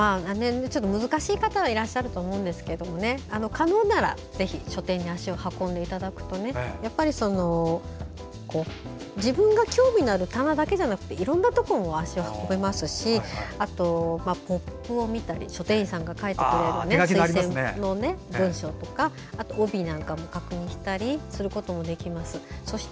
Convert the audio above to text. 難しい方もいらっしゃると思うんですが可能なら、ぜひ書店に足を運んでいただくと自分が興味のあるものだけじゃなくていろんなところに足を運べますしあとポップを見たり書店員さんが書いてくれる文章とか帯なんかも確認したりすることもできます。